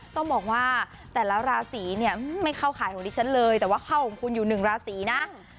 ต้องบอกว่าแต่ละราศีไม่เข้าขายของนิดเชิญเลยแต่เขามาขายอยู่หนึ่งราศีนะ